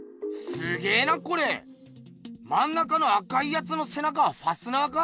まん中の赤いやつのせ中ファスナーか？